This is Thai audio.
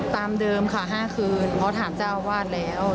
ตามเดิมค่ะ๕คืนเพราะถามเจ้าอาวาสแล้ว